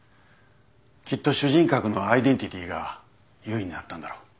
きっと主人格のアイデンティティーが優位になったんだろう